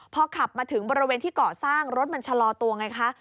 พอขับมาถึงบริเวณที่เกาะสร้างรถมันชะลอตัวไงคะ